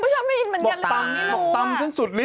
ผมชอบไม่ยินเหมือนกันอ่ะ